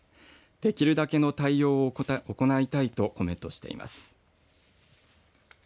できるだけの対応を行いたいとコメントしています。